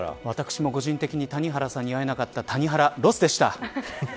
私も個人的に谷原さんに会えなかった、谷原ロスでした。